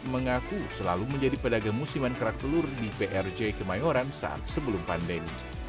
mengaku selalu menjadi pedagang musiman kerak telur di prj kemayoran saat sebelum pandemi